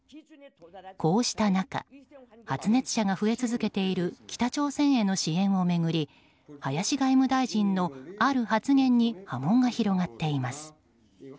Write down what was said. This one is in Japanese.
こうした中発熱者が増え続けている北朝鮮への支援を巡り林外務大臣のある発言に波紋が広がっています。